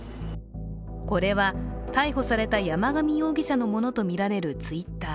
これは逮捕された山上容疑者のものとみられるＴｗｉｔｔｅｒ。